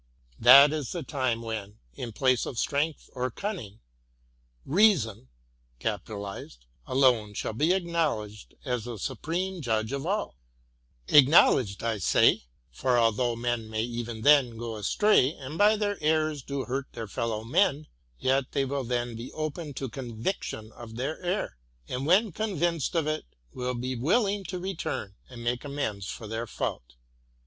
That is the time when, in place of strength or cunning, Keason alone shall be ac knowledged as the supreme judge of all; — acknowledged I say; for although men may even then go astray, and by their errors do hurt to their fellow men, yet they will then be open to conviction of their error, and when convinced of it, will be willing to return and make amends for their fault.